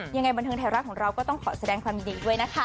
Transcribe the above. ยังไงบันเทิงไทยรัฐของเราก็ต้องขอแสดงความยินดีด้วยนะคะ